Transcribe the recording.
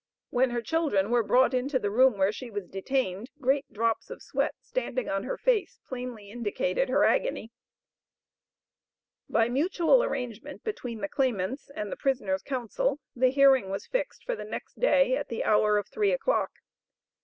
When her children were brought into the room where she was detained, great drops of sweat standing on her face plainly indicated her agony. By mutual arrangement between the claimants and the prisoner's counsel the hearing was fixed for the next day, at the hour of three o'clock.